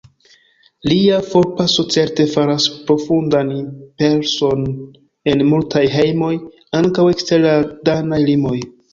Lia forpaso certe faras profundan impreson en multaj hejmoj, ankaŭ ekster la danaj limoj.